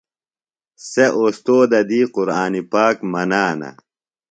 سےۡ استوذہ دی قرآنی پاک منانہ۔